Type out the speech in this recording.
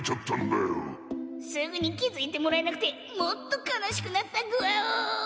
「すぐにきづいてもらえなくてもっとかなしくなったぐわお」。